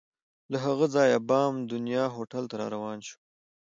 له هغه ځایه بام دنیا هوټل ته روان شوو.